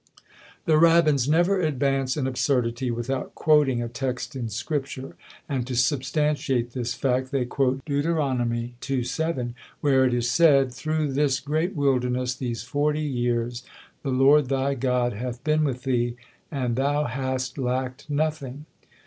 The rabbins never advance an absurdity without quoting a text in Scripture; and to substantiate this fact they quote Deut. ii. 7, where it is said, "Through this great wilderness these forty years the Lord thy God hath been with thee, and thou hast lacked nothing!"